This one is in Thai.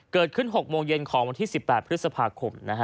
เกิดขึ้น๖โมงเย็นของวันที่๑๘พฤษภาคม